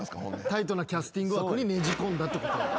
タイトなキャスティング枠にねじ込んだってこと。